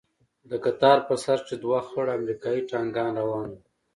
د کتار په سر کښې دوه خړ امريکايي ټانگان روان وو.